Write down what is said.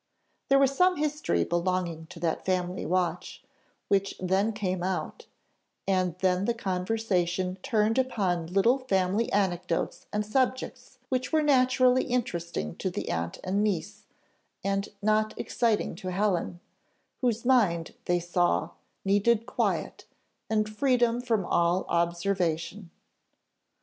There was some history belonging to that family watch, which then came out; and then the conversation turned upon little family anecdotes and subjects which were naturally interesting to the aunt and niece, and not exciting to Helen, whose mind, they saw, needed quiet, and freedom from all observation.